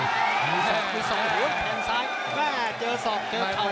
มีสองหูแผ่นซ้ายเจอสองเจอใคร